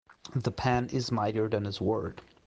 The pen is mightier than the sword.